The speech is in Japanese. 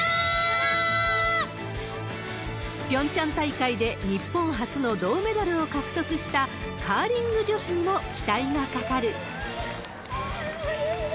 ピョンチャン大会で日本初の銅メダルを獲得したカーリング女子にも期待がかかる。